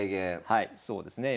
はいそうですね。